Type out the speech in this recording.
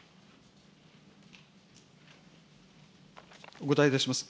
お答えいたします。